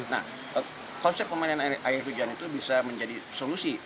nah konsep pemandangan air hujan itu bisa menjadi solusi